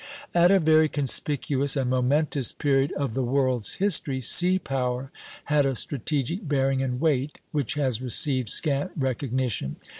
At a very conspicuous and momentous period of the world's history, Sea Power had a strategic bearing and weight which has received scant recognition.